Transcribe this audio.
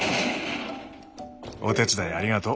お手伝いありがとう。